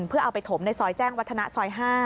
เพื่อเอาไปถมในซอยแจ้งวัฒนะซอย๕